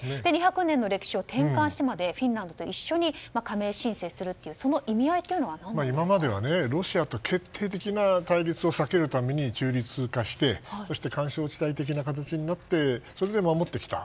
２００年の歴史を転換してまでフィンランドと一緒に加盟申請するというその意味合いというのは今まではロシアと決定的な対立を避けるために中立化して、そして緩衝地帯的な形になってそれで守ってきた。